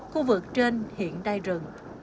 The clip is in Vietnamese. khu vực trên hiện đai rừng